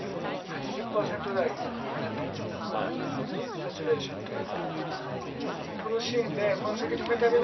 サチュレーションっていうの。